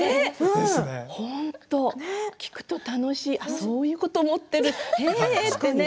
本当、聞くと楽しいそういうことを思っているへえってね。